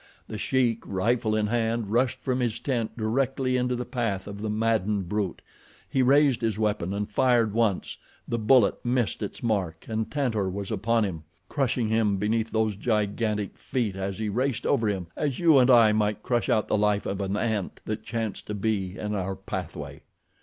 The Sheik, rifle in hand, rushed from his tent directly into the path of the maddened brute. He raised his weapon and fired once, the bullet missed its mark, and Tantor was upon him, crushing him beneath those gigantic feet as he raced over him as you and I might crush out the life of an ant that chanced to be in our pathway.